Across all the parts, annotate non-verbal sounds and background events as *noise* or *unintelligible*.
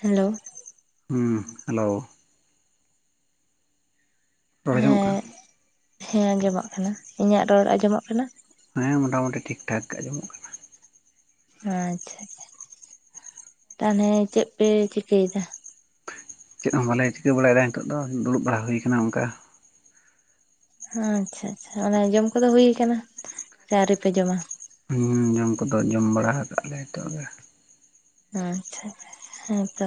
Hello ᱦᱩᱸ hello ᱨᱚᱲ ᱟᱧᱡᱚᱢᱚᱜ ᱠᱟᱱᱟ? ᱦᱮᱸ ᱦᱮᱸ ᱟᱸᱡᱚᱢᱚᱜ ᱠᱟᱱᱟ ᱤᱧᱟᱹᱜ ᱨᱚᱲ ᱟᱸᱡᱚᱢᱚᱜ ᱠᱟᱱᱟ? ᱦᱮᱸ ᱢᱚᱴᱟᱢᱩᱴᱤ ᱴᱷᱤᱠ ᱴᱷᱟᱠ ᱜᱮ ᱟᱸᱡᱚᱢᱚᱜ ᱠᱟᱱᱟ᱾ ᱟᱪᱪᱷᱟ ᱛᱟᱦᱚᱞᱮ ᱪᱮᱫ ᱯᱮ ᱪᱤᱠᱟᱹᱭᱮᱫᱟ? ᱪᱮᱫ ᱦᱚᱸ ᱵᱟᱞᱮ ᱪᱤᱠᱟᱹ ᱵᱟᱲᱟᱭᱮᱫᱟ ᱱᱤᱛᱚᱜ ᱫᱚ ᱫᱩᱲᱩᱵ ᱵᱟᱲᱟ ᱦᱩᱭ ᱟᱠᱟᱱᱟ ᱚᱱᱠᱟ᱾ ᱟᱪᱪᱷᱟ ᱟᱪᱪᱷᱟ ᱚᱱᱮ ᱡᱚᱢ ᱠᱚᱫᱚ ᱦᱩᱭ ᱟᱠᱟᱱᱟ ᱥᱮ ᱟᱹᱣᱨᱤᱯᱮ ᱡᱚᱢᱟ? ᱧᱩ ᱡᱚᱢ ᱠᱚᱫᱚ ᱡᱚᱢ ᱵᱟᱲᱟ ᱟᱠᱟᱫ ᱞᱮ ᱱᱤᱛᱚᱜ ᱜᱮ᱾ ᱟᱪᱪᱷᱟ ᱟᱪᱪᱷᱟ ᱦᱮᱸᱛᱚ᱾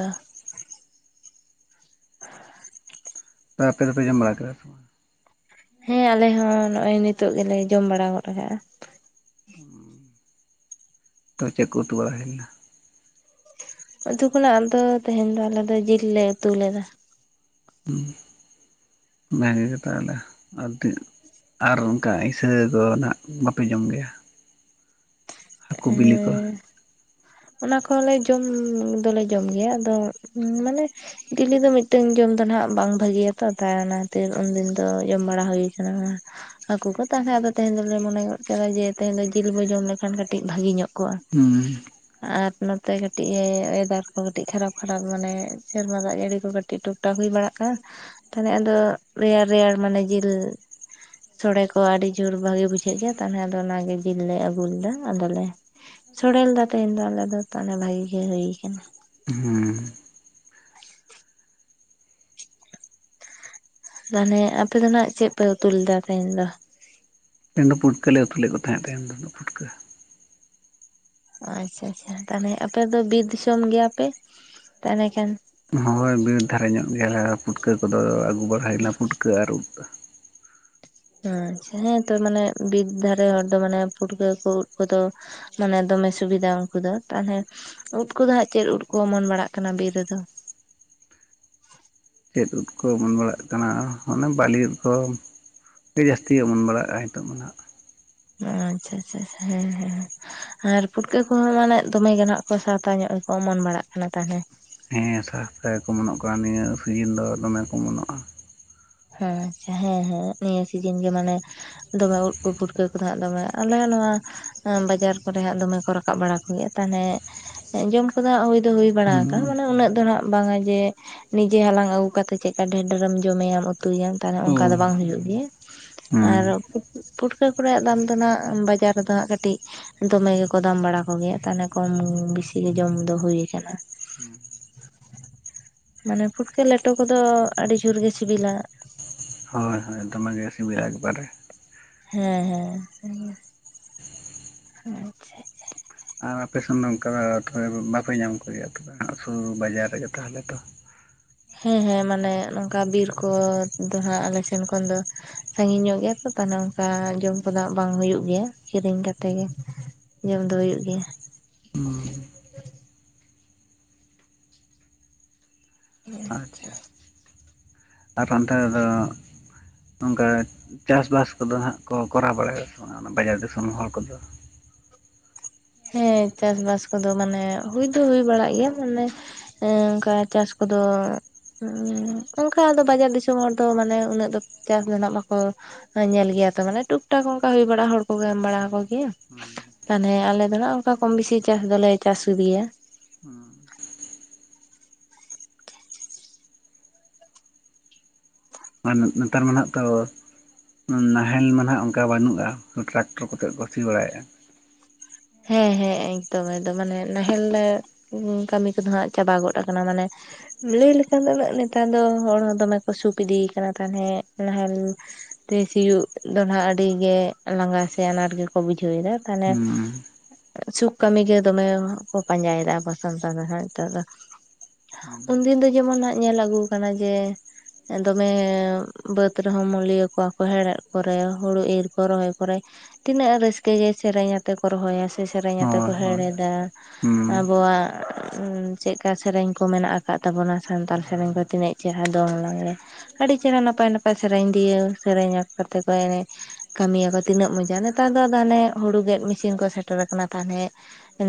*unintelligible* ᱛᱚ ᱟᱯᱮ ᱫᱚᱯᱮ ᱡᱚᱢ ᱵᱟᱲᱟ ᱠᱮᱫᱟ? ᱦᱮᱸ ᱟᱞᱮ ᱦᱚᱸ ᱱᱚᱜᱚᱭ ᱱᱤᱛᱚᱜ ᱜᱮᱞᱮ ᱡᱚᱢ ᱵᱟᱲᱟ ᱜᱚᱫ ᱠᱟᱜᱼᱟ᱾ ᱛᱚ ᱪᱮᱫ ᱠᱚ ᱩᱛᱩ ᱵᱟᱲᱟ ᱦᱩᱭ ᱞᱮᱱᱟ? ᱩᱛᱩ ᱠᱷᱚᱱᱟᱜ ᱟᱫᱚ ᱛᱮᱧ ᱫᱚ ᱟᱞᱮᱫ ᱫᱚ ᱡᱤᱞ ᱞᱮ ᱩᱛᱩ ᱞᱮᱫᱟ᱾ ᱦᱩᱸ ᱵᱷᱟᱜᱮ ᱜᱮ ᱛᱟᱦᱚᱞᱮ ᱟᱨ ᱪᱮᱫ? ᱟᱨ ᱚᱱᱠᱟ ᱤᱥᱟᱹ ᱠᱚ ᱱᱟᱦᱟᱜ ᱵᱟᱯᱮ ᱡᱚᱢ ᱜᱮᱭᱟ? ᱦᱟᱹᱠᱩ ᱵᱤᱞᱤ ᱠᱚ? *inaudible* ᱚᱱᱟ ᱠᱚᱦᱚᱸᱮ ᱡᱚᱢ ᱫᱚᱞᱮ ᱡᱚᱢ ᱜᱮᱭᱟ ᱟᱫᱚ ᱢᱟᱱᱮ ᱰᱮᱞᱤ ᱫᱚ ᱢᱤᱫᱴᱮᱱ ᱡᱚᱢ ᱫᱚ ᱱᱟᱦᱟᱜ ᱵᱟᱝ ᱵᱷᱟᱹᱜᱮᱭᱟᱛᱚ ᱛᱟᱭ ᱚᱱᱟ ᱠᱷᱛᱤᱨ ᱩᱱᱫᱤᱱ ᱫᱚ ᱡᱚᱢ ᱵᱟᱲᱟ ᱦᱩᱭ ᱠᱟᱱᱟ᱾ ᱦᱟᱹᱠᱩ ᱠᱚ ᱛᱟᱦᱮᱸᱟᱦ ᱠᱷᱡ ᱟᱫᱚ ᱛᱮᱦᱮᱧ ᱫᱚᱞᱮ ᱢᱚᱱᱮ ᱜᱚᱫ ᱠᱮᱫᱟ ᱡᱮ ᱛᱮᱦᱮᱧ ᱫᱚ ᱡᱤᱞ ᱵᱚᱱ ᱡᱚᱢ ᱞᱮᱠᱷᱟᱱ ᱠᱟᱹᱴᱤᱡ ᱠᱟᱹᱴᱤᱡ ᱵᱷᱟᱜᱮ ᱧᱚᱜ ᱠᱚᱜᱼᱟ᱾ ᱦᱩᱸ ᱟᱨ ᱱᱚᱛᱮ ᱠᱟᱹᱴᱤᱡ ᱚᱭᱮᱫᱟᱨ ᱠᱚ ᱠᱟᱹᱴᱤᱡ ᱠᱷᱟᱨᱟᱯ ᱠᱷᱟᱨᱟᱯ ᱢᱟᱱᱮ ᱥᱮᱨᱢᱟ ᱫᱟᱜ ᱡᱟᱹᱲᱤ ᱠᱚ ᱠᱟᱹᱴᱤᱡ ᱴᱩ *inaudible* ᱵᱟᱲᱟᱜᱼᱟ ᱛᱟᱦᱞᱮ ᱟᱫᱚ ᱨᱮᱭᱟᱲ ᱨᱮᱭᱟᱲ ᱢᱟᱱᱮ ᱡᱤᱞᱼᱼ ᱥᱚᱲᱮ ᱠᱚ ᱟᱹᱰᱤ ᱡᱳᱨ ᱵᱷᱟᱜᱤ ᱵᱩᱡᱷᱟᱹᱜ ᱜᱮᱭᱟ ᱛᱟᱦᱞᱮ ᱟᱫᱚ ᱚᱱᱟ ᱜᱮ ᱡᱤᱞ ᱞᱮ ᱟᱹᱜᱩ ᱞᱮᱫᱟ᱾ ᱟᱫᱚ ᱞᱮ ᱥᱚᱲᱮ ᱞᱮᱫᱟ ᱛᱮᱦᱮᱧ ᱫᱚ ᱟᱞᱮ ᱫᱚ ᱛᱟᱞᱮ ᱵᱷᱟᱜᱤ ᱜᱮ ᱦᱩᱭ ᱠᱟᱱᱟ᱾ ᱦᱩᱸ᱾ ᱛᱟᱦᱞᱮ ᱟᱯᱮ ᱫᱚ ᱱᱷᱟᱜ ᱪᱮᱫ ᱯᱮ ᱩᱛᱩ ᱞᱮᱫᱟ ᱛᱮᱦᱮᱧ ᱫᱚᱼᱼ ᱛᱮᱧ ᱫᱚ ᱯᱩᱴᱠᱟᱹ ᱞᱮ ᱩᱛᱩ ᱞᱮᱜ ᱠᱚ ᱛᱟᱦᱮᱸ ᱛᱮᱦᱮᱧ ᱫᱚ ᱯᱩᱴᱠᱟᱹᱼᱼ ᱟᱪᱪᱷᱟ ᱟᱪᱪᱷᱟ ᱛᱟᱦᱚᱞᱮ ᱟᱯᱮ ᱫᱚ ᱵᱤᱨ ᱫᱤᱥᱚᱢ ᱜᱮᱭᱟ ᱯᱮ ᱛᱟᱦᱞᱮ ᱠᱷᱟᱱᱼᱼ ᱦᱳᱭ ᱵᱤᱨ ᱫᱷᱟᱨᱮ ᱧᱚᱜ ᱜᱮᱭᱟ ᱞᱮ ᱯᱩᱴᱠᱟᱹ ᱠᱚ ᱫᱚ ᱟᱹᱜᱩ ᱵᱟᱲᱟᱭ ᱱᱟ ᱯᱩᱴᱠᱟᱹ ᱟᱨ ᱩᱫᱼᱼ ᱦᱚᱸ ᱟᱪᱪᱟ ᱦᱮᱸ ᱛᱚ ᱢᱟᱱᱮ ᱵᱤᱨ ᱫᱷᱟᱨᱮ ᱦᱚᱲ ᱫᱚ ᱢᱟᱱᱮ ᱯᱩᱴᱠᱟᱹ ᱠᱚ ᱩᱫ ᱠᱚ ᱫᱚᱼᱼ ᱢᱟᱱᱮ ᱫᱚᱢᱮ ᱥᱩᱵᱤᱫᱷᱟ ᱩᱱᱠᱩ ᱫᱚ ᱛᱟᱦᱞᱮ ᱩᱫ ᱠᱚᱫᱚ ᱦᱟᱸᱜ ᱪᱮᱫ ᱩᱫ ᱠᱚ ᱚᱢᱚᱱ ᱵᱟᱲᱟᱜ ᱠᱟᱱᱟ ᱵᱤᱨ ᱨᱮ ᱫᱚ? ᱪᱮᱫ ᱩᱫ ᱠᱚ ᱚᱢᱚᱱ ᱵᱟᱲᱟᱜ ᱠᱟᱱᱟ ᱚᱱᱮ ᱵᱟᱞᱤ ᱩᱫ ᱠᱚ᱾ ᱜᱮ ᱡᱟᱹᱥᱛᱤ ᱚᱢᱚᱱ ᱵᱟᱲᱟᱜᱼᱟ ᱱᱤᱛᱚᱜ ᱢᱟ ᱱᱷᱟᱜᱼᱼ ᱟᱪᱪᱷᱟ ᱪᱷᱟ ᱦᱮᱸ ᱦᱮᱸ *unintelligible* ᱟᱨ ᱯᱩᱴᱠᱟᱹ ᱠᱚ ᱦᱚᱸ ᱢᱟᱱᱮ ᱫᱚᱢᱮ ᱜᱮ ᱱᱷᱟᱜ ᱠᱚ ᱥᱟᱦᱛᱟ ᱧᱚᱜ ᱜᱮ ᱠᱚ ᱚᱢᱚᱱ ᱵᱟᱲᱟᱜ ᱠᱟᱱᱟ ᱛᱟᱦᱞᱮᱼᱼ ᱦᱮᱸ ᱥᱟᱥᱛᱟ ᱜᱮ ᱠᱚ ᱚᱢᱚᱱᱚᱜ ᱠᱟᱱᱟ ᱱᱤᱭᱟᱹ ᱥᱤᱡᱤᱱ ᱫᱚ ᱫᱚᱢᱮ ᱠᱚ ᱚᱢᱚᱱᱚᱜᱼᱟ᱾ ᱦᱮᱸ ᱟᱪᱪᱷᱟ ᱦᱮᱸ ᱦᱮᱸ ᱱᱤᱭᱟᱹ ᱥᱤᱡᱤᱱ ᱜᱮ ᱢᱟᱱᱮᱼᱼ ᱫᱚᱢᱮ ᱩᱫ ᱠᱚ ᱯᱩᱴᱠᱟᱹ ᱠᱚ ᱱᱷᱟᱜ ᱫᱚᱢᱮ ᱟᱞᱮ ᱱᱚᱣᱟ ᱵᱟᱡᱟᱨ ᱠᱚ ᱨᱮ ᱦᱟᱸᱜ ᱫᱚᱢᱮ ᱠᱚ ᱨᱟᱠᱟᱵ ᱵᱟᱲᱟᱼᱼ ᱤᱭᱟᱹ ᱛᱟᱦᱱᱮ ᱡᱚᱢ ᱠᱚ ᱫᱚ ᱦᱟᱸᱜ ᱦᱩᱭ ᱫᱚ ᱦᱩᱭ ᱵᱟᱲᱟ ᱠᱟ ᱦᱩᱸ ᱢᱟᱱᱮ ᱩᱱᱟᱹᱜ ᱫᱚ ᱱᱟᱦᱟᱜᱼᱼ ᱵᱟᱝ-ᱟ ᱡᱮ ᱱᱤᱡᱮ ᱦᱟᱞᱟᱝ ᱟᱹᱜᱩ ᱠᱟᱛᱮ ᱪᱮᱫᱠᱟ ᱰᱷᱮᱨ ᱰᱷᱮᱨᱮᱢ ᱡᱚᱢᱮᱭᱟᱢᱼᱼ ᱩᱛᱩᱭᱟᱢ ᱛᱟᱦᱚᱞᱮ ᱚ ᱚᱝᱠᱟ ᱫᱚ ᱵᱟᱝ ᱦᱩᱭᱩᱜ ᱜᱮᱭᱟ᱾ ᱦᱩᱸ ᱟᱨ ᱯᱩᱴ ᱯᱩᱴᱠᱟᱹ ᱠᱚ ᱨᱮᱭᱟᱜ ᱫᱟᱢ ᱫᱚ ᱱᱷᱟᱜ ᱵᱟᱡᱟᱨ ᱨᱮ ᱫᱚ ᱦᱟᱸᱜ ᱠᱟᱹᱴᱤᱡᱼᱼ ᱫᱚᱢᱮ ᱜᱮ ᱠᱚ ᱫᱟᱢ ᱵᱟᱲᱟ ᱠᱚ ᱜᱮᱭᱟ ᱛᱟᱦᱚᱞᱮ ᱠᱚᱢ ᱵᱤᱥᱤ ᱜᱮ ᱡᱚᱢ ᱫᱚ ᱦᱩᱭ ᱠᱟᱱᱟ᱾ ᱢᱟᱱᱮ ᱯᱩᱴᱠᱟᱹ ᱞᱮᱴᱚ ᱠᱚᱫᱚ ᱟᱹᱰᱤ ᱡᱳᱨ ᱜᱮ ᱥᱤᱵᱤᱞᱟ᱾ *inaudible* ᱦᱳᱭ ᱦᱳᱭ ᱫᱚᱢᱮ ᱜᱮ ᱥᱤᱵᱤᱞᱟ ᱮᱠ ᱵᱟᱨᱮ ᱦᱮᱸ ᱦᱮᱸ ᱦᱮᱸ, ᱟᱪᱪᱷᱟ᱾ ᱟᱨ ᱟᱯᱮ ᱥᱮᱱ ᱫᱚ ᱚᱝᱠᱟ ᱛᱚᱵᱮ ᱵᱟᱯᱮ ᱧᱟᱢ ᱠᱚ ᱜᱮᱭᱟ ᱛᱚᱵᱮ ᱥᱩᱨ ᱵᱟᱡᱟᱨ ᱨᱮᱜᱮ ᱛᱟᱦᱚᱞᱮ ᱛᱚ᱾ ᱦᱮᱸ ᱦᱮᱸ ᱢᱟᱱᱮ ᱱᱚᱝᱠᱟ ᱵᱤᱨ ᱠᱚ ᱫᱚ ᱦᱟᱸᱜ ᱟᱞᱮ ᱥᱮᱱ ᱠᱷᱚᱱ ᱫᱚ ᱥᱟᱺᱜᱤᱧ ᱧᱚᱜ ᱜᱮᱭᱟ ᱛᱚ ᱛᱟᱞᱦᱮ ᱚᱱ ᱠᱟ ᱡᱚᱢ ᱠᱚᱫᱚ ᱦᱟᱸᱜ ᱵᱟᱝ ᱦᱩᱭᱩᱜ ᱜᱮᱭᱟ, ᱠᱤᱨᱤᱧ ᱠᱟᱛᱮ ᱜᱮ ᱡᱚᱢ ᱫᱚ ᱦᱩᱭᱩᱜ ᱜᱮᱭᱟ᱾ ᱦᱮᱸ᱾ ᱟᱪᱪᱷᱟ ᱟᱨ ᱚᱱᱛᱮ ᱨᱮᱫᱚ ᱱᱚᱝᱠᱟ ᱪᱟᱥᱵᱟᱥ ᱠᱚᱫᱚ ᱦᱟᱸᱜ ᱠᱚ ᱠᱚᱨᱟᱣ ᱵᱟᱲᱟᱭᱟ ᱥᱮ ᱵᱟᱝᱟ ᱚᱱᱟ ᱵᱟᱡᱟᱨ ᱫᱤᱥᱚᱢ ᱦᱚᱲ ᱠᱚ ᱫᱚ? ᱦᱮᱸ ᱪᱟᱥᱵᱟᱥ ᱠᱚ ᱫᱚ ᱢᱟᱱᱮ ᱦᱩᱭ ᱫᱚ ᱦᱩᱭ ᱵᱟᱲᱟᱜ ᱜᱮᱭᱟ ᱢᱟᱱᱮ ᱮᱸ ᱚᱱᱠᱟ ᱪᱟᱥ ᱠᱚᱫᱚ ᱩᱸ ᱚᱱᱠᱟ ᱟᱫᱚ ᱵᱟᱡᱟᱨ ᱫᱤᱥᱚᱢ ᱦᱚᱲ ᱫᱚ ᱢᱟᱱᱮ ᱩᱱᱟᱹᱜ ᱫᱚ ᱪᱟᱥ ᱫᱚ ᱱᱟᱦᱟᱜ ᱵᱟᱠᱚ ᱮᱸ ᱧᱮᱞ ᱜᱮᱭᱟ ᱛᱚ ᱢᱟᱱᱮ ᱴᱩᱠ ᱴᱟᱠ ᱚᱱᱠᱟ ᱦᱩᱭ ᱵᱟᱲᱟ ᱦᱚᱲ ᱠᱚ ᱜᱮ ᱮᱢ ᱵᱟᱲᱟ ᱟᱠᱚ ᱜᱮᱭᱟ ᱦᱩᱸ ᱛᱟᱦᱞᱮ ᱟᱞᱮ ᱫᱚ ᱱᱟᱦᱟᱜ ᱚᱱᱠᱟ ᱠᱚᱢ ᱵᱤᱥᱤ ᱪᱟᱥ ᱫᱚᱞᱮ ᱪᱟᱥ ᱤᱫᱤᱭᱟ᱾ *inaudible* ᱢᱟᱱᱮ ᱱᱮᱛᱟᱨ ᱢᱟ ᱱᱟᱦᱟᱜ ᱛᱚ ᱱᱟᱦᱮᱞ ᱢᱟ ᱱᱟᱦᱟᱜ ᱚᱱᱠᱟ ᱵᱟᱹᱱᱩᱜᱼᱟ, ᱴᱨᱟᱠᱴᱚᱨ ᱠᱚᱛᱮᱜ ᱠᱚ ᱥᱤ ᱵᱟᱲᱟᱭᱼᱟ᱾ ᱦᱮᱸ ᱦᱮᱸ ᱮᱠᱫᱚᱢ ᱮᱫᱚᱢ ᱢᱟᱱᱮ ᱱᱟᱦᱮᱞ ᱞᱮ ᱩᱸ ᱠᱟᱹᱢᱤ ᱠᱚᱫᱚ ᱦᱟᱸᱜ ᱪᱟᱵᱟ ᱜᱚᱫ ᱟᱠᱟᱱᱟ ᱢᱟᱱᱮ ᱞᱟᱹᱭ ᱞᱮᱠᱷᱟᱱ ᱫᱚ ᱩᱱᱟᱹᱜ ᱱᱮᱛᱟᱨ ᱫᱚ ᱦᱚᱲ ᱦᱚᱸ ᱫᱚᱢᱮ ᱠᱚ ᱥᱩᱠ ᱤᱫᱤ ᱠᱟᱱᱟ ᱛᱟᱞᱦᱮ ᱱᱟᱦᱮᱞ ᱛᱮ ᱥᱤᱭᱳᱜ ᱫᱚ ᱱᱟᱦᱟᱜ ᱟᱹᱰᱤ ᱜᱮ ᱞᱟᱸᱜᱟ ᱥᱮ ᱟᱱᱟᱴ ᱜᱮ ᱠᱚ ᱵᱩᱡᱷᱟᱹᱣ ᱮᱫᱟ ᱛᱟᱞᱦᱮ ᱦᱩᱸ ᱥᱩᱠ ᱠᱟᱹᱢᱤ ᱜᱮ ᱫᱚᱢᱮ ᱠᱚ ᱯᱟᱸᱡᱟᱭ ᱫᱟ ᱟᱵᱚ ᱥᱟᱱᱛᱟᱲ ᱫᱚ ᱦᱟᱸᱜ ᱦᱮᱛᱳᱜ ᱫᱚ᱾ ᱩᱱ ᱫᱤᱱ ᱫᱚ ᱡᱮᱢᱚᱱ ᱦᱟᱸᱜ ᱧᱮᱞ ᱟᱹᱜᱩ ᱠᱟᱱᱟ ᱡᱮ ᱮᱸ ᱫᱚᱢᱮ ᱵᱟᱹᱫᱽ ᱨᱮ ᱦᱚᱸ ᱢᱩᱞᱤᱭᱟᱹ ᱠᱚᱣᱟ ᱠᱚ ᱦᱮᱲᱦᱮᱫ ᱠᱚ ᱨᱮ, ᱦᱩᱲᱩ ᱤᱨ ᱠᱚ ᱨᱚᱦᱚᱭ ᱠᱚᱨᱮ ᱛᱤᱱᱟᱹᱜ ᱨᱟᱹᱥᱠᱟᱹ ᱜᱮ ᱥᱮᱨᱮᱧ ᱟᱛᱮ ᱠᱚ ᱨᱚᱦᱚᱭᱟ ᱥᱮ ᱥᱮᱨᱮᱧ ᱟᱛᱮ ᱠᱚ ᱦᱳᱭ ᱦᱳᱭ ᱦᱮᱲᱦᱮᱫᱟ᱾ ᱦᱩᱸ ᱟᱵᱚᱣᱟᱜ ᱪᱮᱫᱠᱟ ᱥᱮᱨᱮᱧ ᱠᱚ ᱢᱮᱱᱟᱜ ᱟᱠᱟᱫ ᱛᱟᱵᱚᱱᱟ ᱥᱟᱱᱛᱟᱞ ᱥᱮᱨᱮᱧ ᱠᱚ ᱛᱤᱱᱟᱹᱜ ᱡᱟᱦᱟᱸ ᱫᱚᱝ ᱞᱟᱜᱽᱬᱮ, ᱟᱹᱰᱤ ᱪᱮᱦᱨᱟ ᱱᱟᱯᱟᱭ ᱱᱟᱯᱟᱭ ᱥᱮᱨᱮᱧ ᱫᱤᱭᱮ ᱥᱮᱨᱮᱧ *unintelligible* ᱠᱟᱛᱮ ᱠᱚ ᱮᱱᱮᱡ᱾ ᱠᱟᱹᱢᱤᱭᱟᱠᱚ ᱛᱤᱱᱟᱹᱜ ᱢᱚᱡᱟ ᱱᱮᱛᱟᱨ ᱫᱚ ᱟᱫᱚ ᱦᱟᱱᱮ ᱦᱩᱲᱩ ᱜᱮᱫ ᱢᱮᱥᱤᱱ ᱠᱚ ᱥᱮᱴᱮᱨ ᱟᱠᱟᱱᱟ ᱛᱟᱦᱚᱞᱮ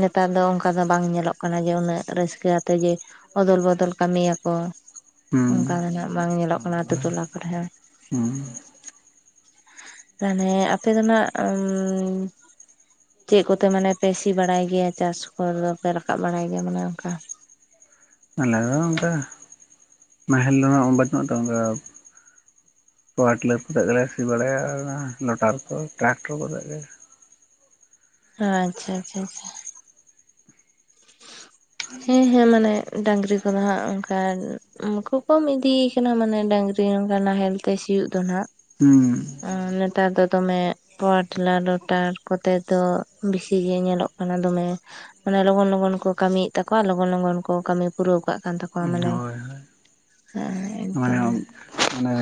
ᱱᱮᱛᱟᱨ ᱫᱚ ᱚᱱᱠᱟ ᱫᱚ ᱵᱟᱝ ᱧᱮᱞᱚᱜ ᱠᱟᱱᱟ ᱡᱮ ᱩᱱᱟᱹᱜ ᱨᱟᱹᱥᱠᱟᱹ ᱟᱛᱮ ᱡᱮ ᱚᱫᱚᱞ ᱵᱚᱫᱚᱞ ᱠᱟᱹᱢᱤᱭᱟᱠᱚ᱾ ᱦᱩᱸ ᱚᱱᱠᱟ ᱫᱚ ᱱᱟᱦᱟᱜ ᱵᱟᱝ ᱧᱮᱞᱚᱜ ᱠᱟᱱᱟ ᱟᱹᱛᱩ ᱴᱚᱞᱟ ᱠᱚᱨᱮ ᱦᱚᱸ᱾ ᱦᱩᱸ ᱛᱟᱞᱦᱮ ᱟᱯᱮ ᱫᱚ ᱱᱟᱦᱟᱜ ᱩᱸ ᱪᱮᱫ ᱠᱚᱛᱮ ᱢᱟᱱᱮ ᱯᱮ ᱥᱤ ᱵᱟᱲᱟᱭ ᱜᱮᱭᱟ ᱪᱟᱥ ᱠᱚᱫᱚ ᱯᱮ ᱨᱟᱠᱟᱵ ᱵᱟᱲᱟᱭ ᱜᱮᱭᱟ ᱢᱟᱱᱮ ᱚᱱᱠᱟ? ᱟᱞᱮ ᱫᱚ ᱚᱱᱠᱟ ᱱᱟᱦᱮᱞ ᱫᱚ ᱩᱱᱟᱹᱜ ᱵᱟᱹᱱᱩᱜ ᱛᱚ ᱚᱱᱠᱟ ᱯᱟᱣᱟᱨ ᱴᱤᱞᱟᱨ ᱠᱚᱛᱮᱜ ᱜᱮᱞᱮ ᱥᱤ ᱵᱟᱲᱟᱭᱟ ᱟᱨ ᱚᱱᱟ ᱞᱚᱴᱟᱨ ᱠᱚ ᱴᱨᱟᱠᱴᱚᱨ ᱠᱚᱛᱮᱜ ᱜᱮ᱾ ᱟᱪᱪᱷᱟ ᱪᱷᱟ ᱪᱷᱟ᱾ *inaudible* ᱦᱮᱸ ᱦᱮᱸ ᱢᱟᱱᱮ ᱰᱟᱝᱨᱤ ᱠᱚᱫᱚ ᱦᱟᱸᱜ ᱚᱱᱠᱟ ᱢᱟᱠᱚ ᱠᱚᱢ ᱤᱫᱤ ᱠᱟᱱᱟ ᱢᱟᱱᱮ ᱰᱟᱹᱝᱨᱤ ᱱᱚᱝᱠᱟ ᱱᱟᱦᱮᱞ ᱛᱮ ᱥᱤᱭᱚᱜ ᱫᱚ ᱱᱟᱦᱟᱜ ᱦᱩᱸ᱾ ᱩᱸ ᱱᱮᱛᱟᱨ ᱫᱚ ᱫᱚᱢᱮ ᱯᱟᱣᱟᱨ ᱴᱤᱞᱟᱨ ᱞᱚᱴᱟᱨ ᱠᱚᱛᱮ ᱫᱚ ᱵᱤᱥᱤ ᱜᱮ ᱧᱮᱞᱚᱜ ᱠᱟᱱᱟ ᱫᱚᱢᱮ ᱢᱟᱱᱮ ᱞᱚᱜᱚᱱ ᱞᱚ ᱜᱚᱱ ᱠᱚ ᱠᱟᱹᱢᱤᱭᱮᱫ ᱛᱟᱠᱚᱣᱟ, ᱞᱚᱜᱚᱱ ᱞᱚᱜᱚᱱ ᱠᱚ ᱠᱟᱹᱢᱤ ᱯᱩᱨᱟᱹᱣ ᱠᱟᱜ ᱠᱟᱱ ᱛᱟᱠᱚᱣᱟ ᱢᱟᱱᱮᱢ ᱦᱳᱭ ᱦᱳᱭ ᱦᱮᱸ ᱮᱠᱫᱚᱢ ᱦᱮᱸ᱾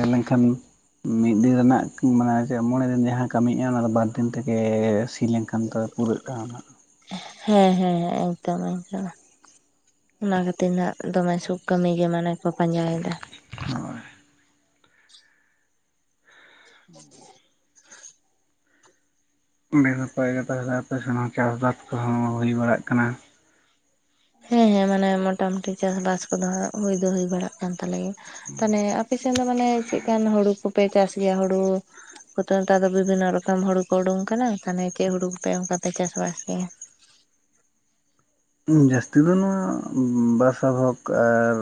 ᱮᱸ ᱞᱮᱝᱠᱷᱟᱱ ᱢᱤᱫ ᱫᱤᱱ ᱨᱮᱱᱟᱜᱼᱠ ᱢᱟᱱᱮ ᱪᱮᱫ ᱢᱚᱬᱮ ᱫᱤᱱ ᱡᱟᱦᱟᱸ ᱠᱟᱹᱢᱤᱜ-ᱟ ᱚᱱᱟ ᱫᱚ ᱵᱟᱨ ᱫᱤᱱ ᱛᱮᱜᱮ ᱥᱤ ᱞᱮᱝᱠᱷᱟᱱ ᱫᱚ ᱯᱩᱨᱟᱹᱜ ᱠᱟᱜᱼᱟ ᱚᱱᱟ ᱫᱚ᱾ ᱦᱮᱸ ᱦᱮᱸ ᱮᱠᱫᱚᱢ ᱮᱠᱫᱚᱢ ᱾ ᱚᱱᱟ ᱠᱷᱟᱹᱛᱤᱨ ᱱᱷᱟᱸᱜ ᱫᱚᱢᱮ ᱥᱩᱠᱷ ᱠᱟᱹᱢᱤ ᱜᱮ ᱢᱟᱱᱮ ᱠᱚ ᱯᱟᱸᱡᱟ ᱭᱮᱫᱟ᱾ ᱱᱟᱦᱟᱜ ᱦᱳᱭ ᱵᱮ ᱥᱚᱠᱳᱡ ᱜᱮ ᱛᱚᱵᱮ ᱫᱚ ᱟᱯᱮ ᱥᱮᱱ ᱦᱚᱸ ᱪᱟᱥ ᱵᱟᱫ ᱠᱚᱦᱚᱸ ᱦᱩᱭ ᱵᱟᱲᱟᱜ ᱠᱟᱱᱟ᱾ ᱦᱮᱸ ᱦᱮᱸ ᱢᱟᱱᱮ ᱢᱚᱴᱟ ᱢᱩᱴᱤ ᱪᱟᱥ ᱵᱟᱥ ᱠᱚᱫᱚ ᱦᱟᱸᱜ ᱦᱩᱭ ᱫᱚ ᱦᱩᱭ ᱵᱟᱲᱟᱜ ᱠᱟᱱ ᱛᱟᱞᱮ ᱜᱮ᱾ ᱛᱟᱦᱮᱱᱮ ᱟᱯᱮ ᱥᱮᱱ ᱫᱚ ᱢᱟᱱᱮ ᱪᱮᱜ ᱠᱟᱱ ᱦᱩᱲᱩ ᱠᱚᱯᱮ ᱪᱟᱥ ᱜᱮᱭᱟ ᱦᱩᱲᱩ ᱠᱩ ᱛᱚᱨ ᱱᱮᱛᱟᱨ ᱫᱚ ᱵᱤᱵᱤᱱᱟ ᱨᱚᱠᱚᱢ ᱦᱩᱲᱩ ᱠᱚ ᱩᱰᱩᱝ ᱠᱟᱱᱟ, ᱛᱟᱦᱮᱱᱮ ᱪᱮᱫ ᱦᱩᱲᱩ ᱠᱚᱯᱮ ᱚᱸᱠᱟ ᱯᱮ ᱪᱟᱥ ᱵᱟᱥ ᱜᱮᱭᱟ? ᱩᱸ ᱡᱟᱹᱥᱛᱤ ᱫᱚ ᱱᱚᱶᱟ ᱵᱟᱥᱟ ᱵᱷᱳᱠ ᱟᱨ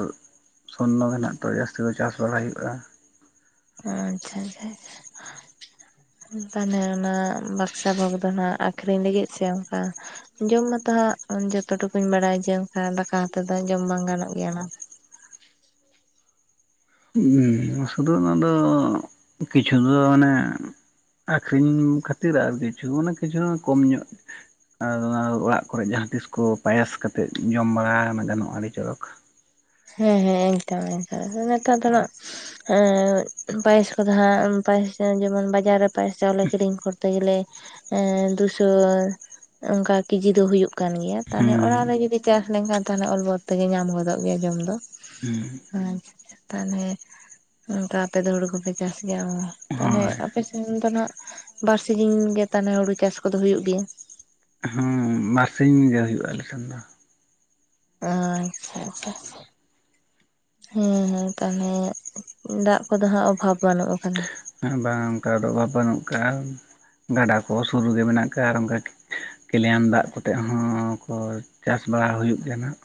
ᱥᱚᱨᱱᱚ ᱜᱮ ᱱᱷᱟᱸᱜ ᱛᱚ ᱡᱟᱹᱥᱛᱤ ᱫᱚ ᱪᱟᱥ ᱵᱟᱲᱟ ᱦᱩᱭᱩᱜ-ᱟ᱾ ᱟᱪᱪᱷᱟ ᱟᱪᱪᱷᱟ ᱟᱪᱪᱷᱟ ᱾ ᱛᱟᱦᱮᱱᱮ ᱚᱱᱟ ᱵᱟᱠᱥᱟ ᱵᱷᱳᱜᱽ ᱫᱚ ᱱᱷᱟᱸᱜ ᱟᱹᱠᱷᱨᱤᱧ ᱞᱟᱹᱜᱤᱫ ᱥᱮ ᱚᱸᱠᱟ ᱡᱚᱢ ᱢᱟᱛᱚ ᱦᱟᱸᱜ ᱡᱚᱛᱚ ᱴᱩᱠᱩᱧ ᱵᱟᱰᱟᱭᱟ ᱡᱮ ᱚᱸᱠᱟ ᱫᱟᱠᱟ ᱦᱟᱛᱮ ᱫᱚ ᱡᱚᱢ ᱵᱟᱝ ᱜᱟᱱᱚᱜ ᱜᱮᱭᱟ ᱱᱷᱟᱸᱜ? ᱩᱸ ᱥᱩᱫᱩ ᱚᱱᱟ ᱫᱚ ᱠᱤᱪᱷᱩ ᱫᱚ ᱚᱱᱮ ᱟᱹᱠᱷᱨᱤᱧ ᱠᱷᱟᱹᱛᱤᱨ ᱟᱨ ᱠᱤᱪᱷᱩ ᱚᱱᱟ ᱠᱤᱪᱷᱩ ᱱᱚᱜ ᱠᱚᱢ ᱧᱚᱜ ᱟᱨ ᱚᱱᱟ ᱫᱚ ᱚᱲᱟᱜ ᱠᱚᱨᱮᱫ ᱡᱟᱦᱟᱸ ᱛᱤᱥ ᱠᱚ ᱯᱟᱭᱟᱥ ᱠᱟᱛᱮᱫ ᱡᱚᱢ ᱵᱟᱲᱟ ᱚᱱᱟ ᱜᱟᱱᱚᱜ-ᱟ ᱟᱹᱰᱤ ᱪᱚᱨᱚᱠ᱾ ᱦᱮᱸ ᱦᱮᱸ, ᱮᱠᱫᱚᱢ ᱮᱠᱟᱞ ᱟᱨ ᱱᱮᱛᱟᱨ ᱫᱚ ᱱᱷᱟᱸᱜ ᱮᱸ ᱯᱟᱭᱮᱥ ᱠᱚᱫᱚ ᱦᱟᱸᱜ ᱯᱟᱭᱮᱥ ᱡᱟᱝ ᱡᱮᱢᱚᱱ ᱵᱟᱡᱟᱨ ᱨᱮ ᱯᱟᱭᱮᱥ ᱪᱟᱣᱞᱮ ᱠᱤᱨᱤᱧ ᱠᱚᱨᱛᱮ ᱜᱮᱞᱮ ᱮᱸ ᱫᱩ ᱥᱚ ᱚᱸᱠᱟ ᱠᱮᱡᱤ ᱫᱚ ᱦᱩᱭᱩᱜ ᱠᱟᱱ ᱜᱮᱭᱟ, ᱛᱟᱦᱚᱞᱮ ᱚᱲᱟᱜ ᱦᱮᱸ ᱨᱮ ᱡᱩᱫᱤ ᱪᱟᱥ ᱞᱮᱝᱠᱷᱟᱱ ᱛᱟᱦᱚᱞᱮ ᱚᱞ ᱵᱚᱞ ᱛᱮᱜᱮ ᱧᱟᱢ ᱜᱚᱫᱚᱜ ᱜᱮᱭᱟ ᱡᱚᱢ ᱫᱚ ᱦᱮᱸ ᱟᱪᱪᱷᱟ᱾ ᱛᱟᱞᱦᱮ ᱚᱸᱠᱟ ᱟᱯᱮ ᱫᱚ ᱦᱩᱲᱩ ᱠᱚᱯᱮ ᱪᱟᱥ ᱜᱮᱭᱟ, ᱩᱸᱦ ᱛᱟᱞᱦᱮ ᱦᱳᱭ ᱟᱯᱮ ᱥᱮᱱ ᱫᱚ ᱱᱷᱟᱸᱜ ᱵᱟᱨᱥᱤᱧ ᱜᱮ ᱛᱟᱞᱦᱮ ᱦᱩᱲᱩ ᱪᱟᱥ ᱠᱚᱫᱚ ᱦᱩᱭᱩᱜ ᱜᱮᱭᱟ᱾ ᱦᱩᱸ ᱵᱟᱨᱥᱤᱧ ᱜᱮ ᱦᱩᱭᱩᱜᱼᱟ ᱟᱞᱮ ᱥᱮᱱ ᱫᱚ᱾ ᱟᱸᱻᱪᱪᱷᱟ ᱟᱪᱪᱷᱟ ᱟᱪᱪᱷᱟ᱾ ᱦᱮᱸ ᱦᱮᱸ ᱛᱟᱞᱦᱮ ᱫᱟᱜ ᱠᱚᱫᱚ ᱦᱟᱸᱜ ᱚᱵᱷᱟᱵᱽ ᱵᱟᱹᱱᱩᱜ ᱟᱠᱟᱫᱟ᱾ ᱮᱸ ᱵᱟᱝ ᱚᱸᱠᱟ ᱫᱚ ᱵᱟ ᱵᱟᱹᱱᱩᱜ ᱟᱠᱟᱜ-ᱟ, ᱜᱟᱰᱟ ᱠᱚ ᱥᱩᱨ ᱨᱮᱜᱮ ᱢᱮᱱᱟᱜ ᱟᱠᱟᱜ-ᱟ ᱟᱨ ᱚᱸᱠᱟ ᱴᱷᱤ ᱠᱮᱞᱮᱭᱟᱢ ᱫᱟᱜ ᱠᱚᱛᱮᱜ ᱦᱚᱸ ᱠᱚ ᱪᱟᱥ ᱵᱟᱲᱟ ᱦᱩᱭᱩᱜ ᱜᱮᱭᱟ ᱱᱷᱟᱸᱜ᱾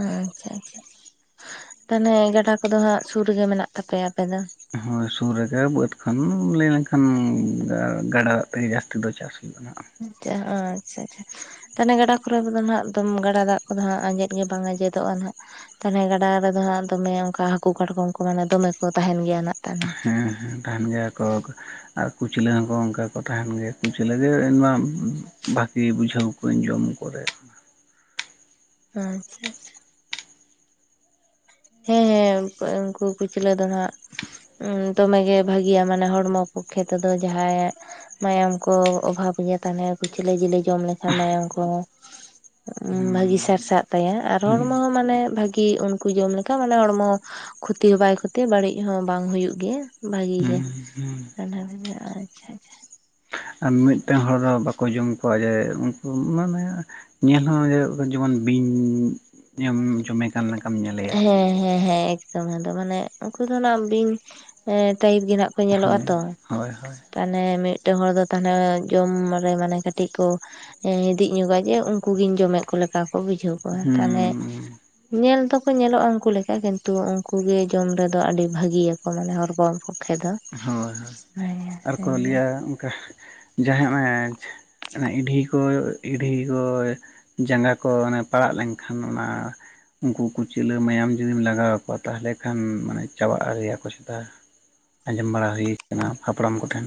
ᱟᱻᱪᱪᱷᱟ ᱟᱪᱪᱷᱟ *unintelligible* ᱛᱟᱱᱦᱮᱸ ᱜᱟᱰᱟ ᱠᱚᱫᱚ ᱦᱟᱸᱜ ᱥᱩᱨ ᱨᱮᱜᱮ ᱢᱮᱱᱟᱜ ᱛᱟᱯᱮᱭᱟ ᱟᱯᱮ ᱫᱚ? ᱦᱳᱭ ᱥᱩᱨ ᱨᱮᱜᱮ ᱵᱟᱹᱫᱽ ᱠᱷᱟᱱ ᱞᱟᱹᱭ ᱞᱮᱱᱠᱷᱟᱱ ᱜᱟ ᱜᱟᱰᱟ ᱫᱟᱜ ᱛᱮᱜᱮ ᱡᱟᱹᱥᱛᱤ ᱫᱚ ᱪᱟᱥ ᱢᱮᱱᱟᱜ-ᱟ᱾ ᱟᱪᱟ ᱟᱸᱪ ᱪᱷᱟ ᱟᱪᱪᱷᱟ᱾ ᱛᱟᱦᱮᱱᱮ ᱜᱟᱰᱟ ᱠᱚᱨᱮᱵ ᱫᱚ ᱱᱷᱟᱸᱜ ᱫᱚᱢ ᱜᱟᱰᱟ ᱫᱟᱜ ᱠᱚᱫᱚ ᱦᱟᱸᱜ ᱟᱸᱡᱮᱫ ᱜᱮ ᱵᱟᱝ ᱟᱸᱡᱮᱫᱚᱜᱼᱟ ᱱᱷᱟᱸᱜ᱾ ᱛᱟᱦᱮᱞᱮ ᱜᱟᱰᱟ ᱨᱮᱫᱚ ᱦᱟᱸᱜ ᱫᱚᱢᱮ ᱚᱸᱠᱟ ᱦᱟᱹᱠᱩ ᱠᱟᱴᱠᱚᱢ ᱠᱚᱫᱚ ᱚᱱᱮ ᱫᱚᱢᱮ ᱠᱚ ᱛᱟᱦᱮᱸᱱ ᱜᱮᱭᱟ ᱱᱷᱟᱸᱜ? ᱦᱮᱸ ᱦᱮᱸ ᱛᱟᱦᱮᱱ ᱜᱮᱭᱟ ᱠᱚᱠ᱾ ᱟᱨ ᱠᱩᱪᱞᱟᱹ ᱦᱚᱸᱠᱚ ᱚᱸᱠᱟ ᱠᱚ ᱛᱟᱦᱮᱸᱱ ᱜᱮᱭᱟ, ᱠᱩᱪᱞᱟᱹ ᱡᱮ ᱮᱱ ᱢᱟᱢ ᱵᱷᱟ ᱠᱤ ᱵᱩᱡᱷᱟᱹᱣ ᱵᱟᱹᱧ ᱡᱚᱢ ᱠᱚᱨᱮ᱾ ᱟᱪᱪᱷᱟ ᱟᱪᱪᱷᱟ᱾ ᱦᱮᱸ ᱦᱮᱸ ᱩᱱᱠᱩ ᱩᱸᱠᱩ ᱠᱩᱪᱞᱟᱹ ᱫᱚ ᱱᱷᱟᱸᱜ ᱩᱸ ᱫᱚᱢᱮ ᱜᱮ ᱵᱷᱟᱹᱜᱤᱭᱟ ᱢᱟᱱᱮ ᱦᱚᱲᱢᱚ ᱯᱚᱠᱷᱮ ᱛᱮᱫᱚ ᱡᱟᱦᱟᱸᱭᱟᱜ ᱢᱟᱭᱟᱢ ᱠᱚ ᱚᱵᱷᱟᱵᱽ ᱜᱮᱭᱟ ᱛᱟᱦᱮᱞᱮ ᱠᱩᱪᱞᱟᱹ ᱡᱤᱞᱼᱮ ᱡᱚᱢ ᱞᱮᱠᱷᱟᱱ ᱢᱟᱭᱟᱝ ᱠᱚ ᱩᱸ ᱵᱷᱟᱹᱜᱤ ᱦᱩᱸ ᱥᱟᱨᱥᱟᱜ ᱛᱟᱭᱟ ᱟᱨ ᱦᱩᱸ ᱦᱚᱲᱢᱚ ᱦᱚᱸ ᱢᱟᱱᱮ ᱵᱷᱟᱹᱜᱤ ᱩᱱᱠᱩ ᱡᱚᱢ ᱞᱮᱠ- ᱪᱮᱠᱟ ᱢᱟᱱᱮ ᱦᱚᱲᱢᱚ ᱠᱷᱚᱛᱤ ᱦᱚᱸ ᱵᱟᱭ ᱠᱷᱚᱛᱤᱭᱟ, ᱵᱟᱹᱲᱤᱡ ᱦᱚᱸ ᱵᱟᱝ ᱦᱚᱸ ᱦᱩᱭᱩᱜ ᱜᱮᱭᱟ᱾ ᱵᱷᱟᱜᱤ ᱜᱮ ᱦᱩᱸ ᱦᱩᱸ *unintelligible* ᱟᱪᱪᱷᱟ ᱟᱪᱪᱷᱟ ᱟᱨ ᱢᱤᱫᱴᱮᱱ ᱦᱚᱲ ᱦᱚ ᱵᱟᱠᱚ ᱡᱚᱢ ᱠᱚᱣᱟ ᱡᱮ ᱩᱱᱠᱩ ᱢᱟᱱᱮ ᱧᱮᱞ ᱦᱚᱸ ᱡᱮ ᱡᱮᱢᱚᱱ ᱵᱤᱧ ᱮᱢ ᱡᱚᱢᱮ ᱠᱟᱱ ᱞᱮᱠᱟᱢ ᱧᱮᱞᱮᱭᱟ ᱦᱮᱸ ᱦᱮᱸ ᱦᱮᱸ᱾ ᱫᱚᱢᱮ ᱫᱚᱢᱮ ᱢᱟᱱᱮ ᱩᱱᱠᱩ ᱫᱚ ᱵᱤᱧ ᱴᱟᱭᱤᱯ ᱜᱮ ᱱᱟᱜ ᱠᱚ ᱧᱮᱞᱚᱜ-ᱟ ᱦᱳᱭ ᱛᱚ᱾ ᱦᱳᱭ ᱦᱳᱭ ᱛᱟᱦᱚᱞᱮ ᱢᱤᱫᱴᱮᱱ ᱦᱚᱲ ᱫᱚ ᱛᱟᱦᱚᱞᱮ ᱡᱚᱢ ᱨᱮ ᱢᱟᱱᱮ ᱠᱟᱹᱴᱤᱡ ᱠᱚ ᱦᱤᱫᱤᱡ ᱧᱚᱜᱟ ᱜᱮ ᱩᱱᱠᱩ ᱜᱤᱧ ᱡᱚᱢᱮᱫ ᱠᱚ ᱞᱮᱠᱟ ᱠᱚ ᱵᱩᱡᱷᱟᱹᱣ ᱠᱚᱣᱟ, ᱛᱟᱦᱚᱞᱮ ᱦᱩᱸ ᱧᱮᱞ ᱫᱚᱠᱚ ᱧᱮᱞᱚᱜ-ᱟ ᱩᱱᱠᱩ ᱞᱮᱠᱟ ᱠᱤᱱᱛᱩ ᱩᱱᱠᱩᱜ ᱜᱮ ᱡᱚᱢ ᱨᱮᱫᱚ ᱟᱹᱰᱤ ᱵᱷᱟᱹᱜᱤᱭ ᱟᱠᱚ ᱢᱟᱱᱮ ᱦᱚᱲᱢᱚ ᱯᱚᱠᱷᱮ ᱫᱚ᱾ ᱦᱳᱭ ᱦᱳᱭ ᱦᱮᱸ ᱟᱨᱠᱚ ᱦᱮᱸ ᱞᱟᱹᱭᱟ ᱚᱱᱠᱟ ᱡᱟᱦᱟᱸ ᱚᱱᱟ ᱤᱰᱷᱤ ᱜᱚ ᱤᱰᱷᱤ ᱜᱚ ᱡᱟᱸᱜᱟ ᱠᱚ ᱚᱱᱮ ᱯᱟᱲᱟᱜ ᱞᱮᱱᱠᱷᱟᱱ ᱚᱱᱟ ᱩᱱᱠᱩ ᱠᱚᱪᱞᱟ ᱢᱟᱭᱟᱢ ᱡᱩᱫᱤᱢ ᱞᱟᱜᱟᱣ ᱟᱠᱚᱣᱟ ᱛᱟᱦᱚᱞᱮ ᱠᱷᱟᱱ ᱢᱟᱱᱮ ᱪᱟᱵᱟᱜ-ᱟ ᱟᱠᱚ ᱪᱮᱛᱟ᱾ ᱟᱸᱡᱚᱢ ᱵᱟᱲᱟ ᱦᱩᱭ ᱟᱠᱟᱱᱟ ᱦᱟᱯᱲᱟᱢ ᱠᱚᱴᱷᱮᱱ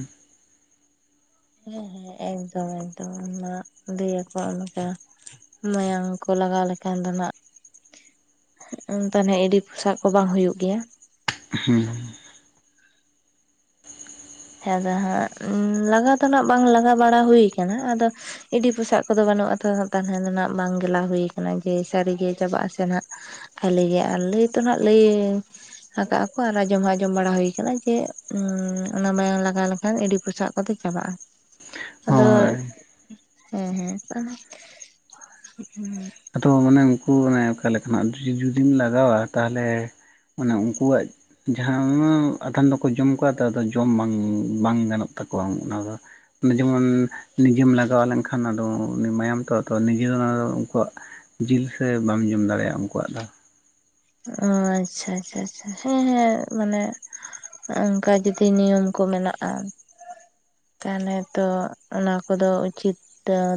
ᱦᱮᱸ ᱦᱮᱸ ᱮᱠᱫᱚᱢ ᱮᱠᱫᱚᱢ ᱚᱱᱟ ᱞᱟᱹᱭ ᱟᱠᱚ ᱚᱱᱠᱟ᱾ ᱢᱟᱭᱟᱝ ᱠᱚ ᱞᱟᱜᱟᱣ ᱞᱮᱠᱷᱟᱱ ᱫᱚ ᱱᱟᱸᱜ *inaudible* ᱮᱰᱤ ᱯᱚᱥᱟᱜ ᱠᱚ ᱵᱟᱝ ᱦᱩᱭᱩᱜ ᱜᱮᱭᱟ᱾ ᱦᱩᱸ ᱾ ᱦᱮᱸᱫᱚ ᱦᱟᱸᱜ ᱞᱟᱜᱟᱣ ᱫᱚ ᱱᱟᱜ ᱵᱟᱝ ᱞᱟᱜᱟᱣ ᱵᱟᱲᱟ ᱦᱩᱭ ᱠᱟᱱᱟ, ᱟᱫᱚ ᱮᱰᱤ ᱯᱚᱥᱟᱜ ᱠᱚᱫᱚ ᱵᱟᱹᱱᱩᱜ-ᱟ ᱛᱚ ᱛᱟᱦᱚᱞᱮ ᱱᱟᱜ ᱵᱟᱝ ᱜᱮᱞᱟ ᱦᱩᱭᱩ ᱠᱟᱱᱟ ᱡᱮ ᱥᱟᱹᱨᱤᱜᱮ ᱪᱟᱵᱟᱜ ᱟᱥᱮ ᱱᱟᱜ᱾ ᱟᱞᱮ ᱜᱮ ᱟᱨ ᱞᱟᱹᱭ ᱛᱚ ᱱᱟᱸᱜ ᱞᱟᱹᱭ ᱦᱟᱠᱟᱜ ᱟᱠᱚ ᱟᱨ ᱟᱸᱡᱚᱢ ᱦᱚᱸ ᱟᱸᱡᱚᱢ ᱵᱟᱲᱟ ᱦᱩᱭ ᱟᱠᱟᱱᱟ ᱡᱮ ᱚᱱᱟ ᱢᱟᱭᱟᱝ ᱞᱟᱜᱟᱣ ᱞᱮᱠᱷᱟᱱ ᱮᱰᱤ ᱯᱳᱥᱟᱜ ᱠᱚᱫᱚ ᱪᱟᱵᱟᱜ-ᱟ, ᱟᱫᱚ ᱦᱳᱭ ᱦᱮᱸ ᱦᱮᱸ᱾ ᱮ ᱩᱱᱠᱩ ᱚᱱᱮ ᱚᱠᱟ ᱞᱮᱠᱟᱱᱟᱜ ᱡᱩᱫᱤᱢ ᱞᱟᱜᱟᱣᱟ ᱛᱟᱦᱚᱞᱮ ᱟᱱᱮ ᱩᱱᱠᱩᱣᱟᱜ ᱡᱟᱦᱟᱸ ᱟᱫᱷᱚᱢ ᱫᱚᱠᱚ ᱡᱚᱢ ᱠᱚᱣᱟ ᱛᱚ ᱡᱚᱢ ᱵᱟᱝ ᱵᱟᱝ ᱜᱟᱱᱚᱜ ᱛᱟᱠᱚᱣᱟ ᱚᱱᱟ ᱫᱚ᱾ ᱡᱮᱢᱚᱱ ᱱᱤᱡᱮᱢ ᱞᱟᱜᱟᱣ ᱞᱮᱱᱠᱷᱟᱱ ᱟᱫᱚ ᱩᱱᱤ ᱢᱟᱭᱟᱢ ᱛᱚ ᱟᱫᱚ ᱱᱤᱡᱮ ᱫᱚ ᱩᱱᱠᱩᱣᱟᱜ ᱡᱤᱞ ᱥᱮ ᱵᱟᱢ ᱡᱚᱢ ᱫᱟᱲᱮᱭᱟᱜ-ᱟ ᱩᱱᱠᱩᱣᱟᱜ ᱫᱚ᱾ ᱚ ᱟᱪᱪᱷᱟ ᱟᱪᱪᱷᱟ ᱟᱪᱪᱷᱟ ᱦᱮᱸ ᱦᱮᱸ ᱢᱟᱱᱮ ᱚᱱᱠᱟ ᱡᱚᱫᱤ ᱱᱤᱭᱚᱢ ᱠᱚ ᱢᱮᱱᱟᱜ-ᱟ ᱛᱟᱦᱚᱞᱮ ᱛᱚ ᱚᱱᱟ ᱠᱚᱫᱚ ᱩᱪᱤᱛ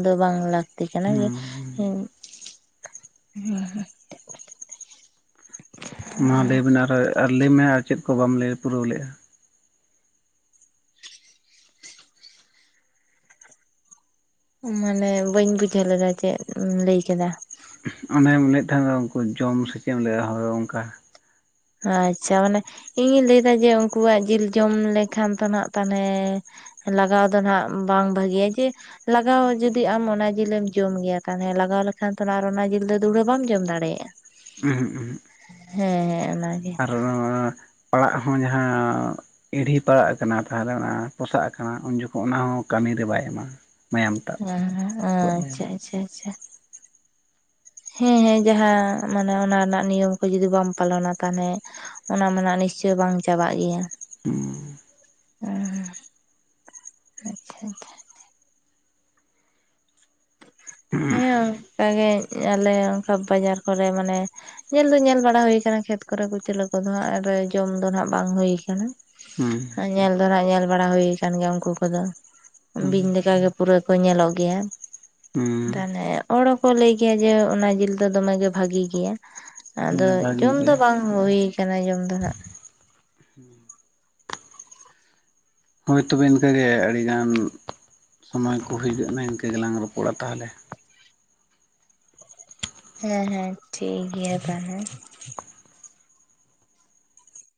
ᱫᱚ ᱵᱟᱝ ᱞᱟᱹᱠᱛᱤ ᱠᱟᱱᱟ ᱜᱮ᱾ *inaudible* *unintelligible* ᱢᱟ ᱞᱟᱹᱭ ᱵᱤᱱ ᱟᱨᱚᱸ ᱟᱨ ᱞᱟᱹᱭᱢᱮ ᱟᱨ ᱪᱮᱫ ᱠᱚ ᱵᱟᱢ ᱞᱟᱹᱭ ᱯᱩᱨᱟᱹᱣ ᱞᱮᱜ-ᱟ᱾ ᱢᱟᱱᱮ ᱵᱟᱹᱧ ᱵᱩᱡᱷᱟᱹᱣ ᱞᱮᱫᱟ ᱪᱮᱫ ᱮᱢ ᱞᱟᱹᱭ ᱠᱮᱫᱟ᱾ ᱚᱱᱮᱢ ᱢᱮᱱᱮᱫ ᱛᱟᱦᱮᱸ ᱫᱚ ᱩᱱᱠᱩ ᱡᱚᱢ ᱥᱮ ᱪᱮᱫ ᱮᱢ ᱞᱟᱹᱭᱮᱫ-ᱟ ᱦᱳᱭ ᱚᱱᱠᱟ ᱟᱪᱪᱷᱟ ᱢᱟᱱᱮ ᱤᱧᱤᱧ ᱞᱟᱹᱭᱫᱟ ᱡᱮ ᱩᱱᱠᱩᱣᱟᱜ ᱡᱤᱞ ᱡᱚᱢ ᱞᱮᱠᱷᱟᱱ ᱛᱚ ᱱᱟᱜ ᱛᱟᱦᱚᱞᱮ ᱞᱟᱜᱟᱣ ᱫᱚ ᱱᱟᱜ ᱵᱟᱝ ᱵᱷᱟᱹᱜᱤᱭᱟ ᱡᱮ ᱞᱟᱜᱟᱣ ᱡᱩᱫᱤᱢ ᱟᱢ ᱚᱱᱟ ᱡᱮᱞᱮᱢ ᱡᱚᱢ ᱜᱮᱭᱟ ᱛᱟᱦᱚᱞᱮ ᱞᱟᱜᱟᱣ ᱞᱮᱠᱷᱟᱱ ᱛᱚ ᱟᱨ ᱚᱱᱟ ᱡᱤᱞ ᱫᱚ ᱫᱩᱦᱲᱟᱹ ᱵᱟᱢ ᱡᱚᱢ ᱫᱟᱲᱮᱭᱟᱜ-ᱟ᱾ *inaudible* ᱦᱮᱸ ᱦᱮᱸ ᱚᱱᱟᱜᱮ ᱟᱨ ᱯᱟᱲᱟᱜ ᱦᱚᱸ ᱡᱟᱦᱟᱸ ᱮᱰᱷᱤ ᱯᱟᱲᱟᱜ ᱠᱟᱱᱟ ᱛᱟᱦᱚᱞᱮ ᱚᱱᱟ ᱯᱚᱥᱟᱜ ᱠᱟᱱᱟ ᱩᱱ ᱡᱚᱠᱷᱚᱱ ᱚᱱᱟᱦᱚᱸ ᱠᱟᱹᱢᱤᱨᱮ ᱵᱟᱭ ᱮᱢᱟ ᱾ ᱟᱪᱪᱷᱟ ᱟᱪᱪᱷᱟ ᱟᱪᱪᱷᱟ᱾ ᱦᱮᱸ ᱦᱮᱸ ᱡᱟᱦᱟᱸ ᱢᱟᱱᱮ ᱚᱱᱟ ᱨᱮᱱᱟᱜ ᱱᱤᱭᱚᱢ ᱠᱚ ᱡᱩᱚᱫᱤ ᱵᱟᱢ ᱯᱟᱞᱚᱱᱟ ᱛᱟᱦᱚᱞᱮ ᱚᱱᱟ ᱢᱟ ᱱᱤᱥᱪᱳᱭ ᱵᱟᱝ ᱪᱟᱵᱟᱜ ᱜᱮᱭᱟ᱾ ᱦᱚᱸ ᱟᱪᱷᱟ ᱟᱪᱷᱟ᱾ ᱦᱮᱸ ᱚᱝᱠᱟᱜᱮ ᱟᱞᱮ ᱚᱱᱠᱟ ᱵᱟᱡᱟᱨ ᱠᱚᱨᱮ ᱢᱟᱱᱮ ᱧᱮᱞ ᱫᱚ ᱧᱮᱞ ᱵᱟᱲᱟ ᱦᱳᱭ ᱠᱟᱱᱟ ᱠᱷᱮᱛ ᱠᱚᱨᱮ ᱠᱩᱪᱞᱟᱹ ᱠᱚᱫᱚ ᱟᱨ ᱡᱚᱢ ᱫᱚ ᱱᱟᱜ ᱵᱟᱝ ᱦᱳᱭ ᱠᱟᱱᱟ᱾ ᱦᱩᱸ ᱧᱮᱞ ᱫᱚ ᱱᱟᱜ ᱧᱮᱞ ᱵᱟᱲᱟ ᱦᱳᱭ ᱠᱟᱱ ᱜᱮᱭᱟ ᱩᱝᱠᱩ ᱠᱚᱫᱚ, ᱦᱩᱸ ᱵᱤᱧ ᱞᱮ ᱞᱮᱠᱟᱜ ᱜᱮ ᱯᱩᱨᱟᱹ ᱠᱚ ᱧᱮᱞᱚᱜ ᱜᱤᱭᱟ᱾ ᱦᱩᱸ ᱛᱟᱞᱮ ᱚᱲ ᱦᱚᱸᱠᱚ ᱞᱟᱹᱭ ᱜᱮᱭᱟ ᱡᱮ ᱚᱱᱟ ᱡᱮᱞ ᱫᱚ ᱫᱚᱢᱮᱜᱮ ᱵᱷᱟᱜᱤ ᱜᱮᱭᱟ᱾ ᱟᱫᱚ ᱦᱮᱸ ᱵᱷᱟᱹᱜᱤ ᱡᱚᱢ ᱜᱮ ᱫᱚ ᱵᱟᱝ ᱦᱳᱭ ᱠᱟᱱᱟ ᱡᱚᱢ ᱫᱚ ᱱᱟᱸᱜ᱾ *unintelligible* ᱦᱳᱭ ᱛᱚᱵᱮ ᱤᱱᱠᱟᱹᱜᱮ ᱟᱹᱰᱤ ᱜᱟᱱ, ᱥᱚᱢᱚᱭ ᱠᱚ ᱦᱩᱭ ᱠᱚᱜᱼᱱᱟ ᱤᱱᱠᱟᱹ ᱜᱮᱞᱟᱝ ᱨᱚᱯᱚᱲᱟ ᱛᱟᱦᱟᱞᱮ᱾ ᱦᱮᱸ ᱦᱮᱸ ᱴᱷᱤᱠ ᱜᱮᱭᱟ ᱛᱟᱦᱟ ᱞᱮ᱾